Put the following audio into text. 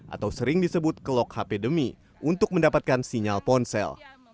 atau sering disebut kelok hpidemi untuk mendapatkan sinyal ponsel